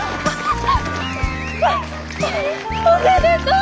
おめでとう！